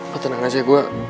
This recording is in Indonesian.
kau tenang aja gue